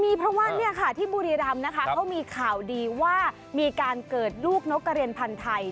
มีเพราะว่าเนี่ยค่ะที่บุรีรำนะคะเขามีข่าวดีว่ามีการเกิดลูกนกกระเรียนพันธ์ไทย